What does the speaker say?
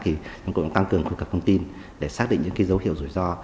chúng tôi cũng tăng cường khuyên cập thông tin để xác định những dấu hiệu rủi ro